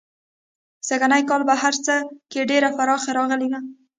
سږنی کال په هر څه کې ډېره پراخي راغلې وه.